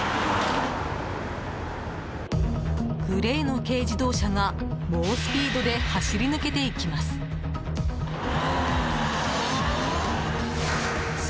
グレーの軽自動車が猛スピードで走り抜けていきます。